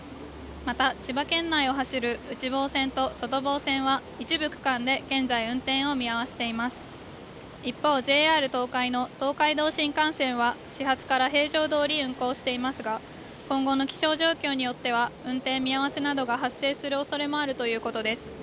また千葉県内を走る内房線と外房線は一部区間で現在運転を見合わせています一方ＪＲ東海の東海道新幹線は始発から平常どおり運行していますが今後の気象状況によっては運転見合わせなどが発生するおそれもあるということです